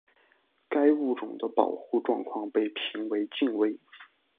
该物种的保护状况被评为近危。